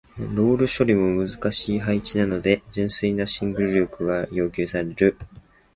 ロール処理も難しい配置なので純粋なシングル力が要求される。一方、技術要素は他の超難関の譜面に比べやや劣り、個人差では難関クラスとも言える。